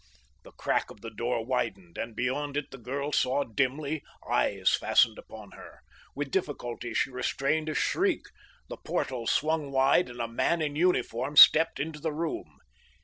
The crack of the door widened and beyond it the girl saw dimly, eyes fastened upon her. With difficulty she restrained a shriek. The portal swung wide and a man in uniform stepped into the room.